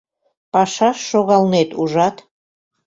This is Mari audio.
Пашаш шогалнет, ужат?